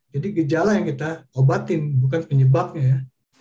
jadi gejala yang kita obatin bukan penyebabnya ya